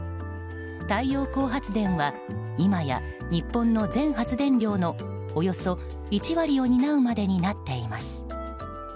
太陽光発電は今や日本の全発電量のおよそ１割を担うまでになっています。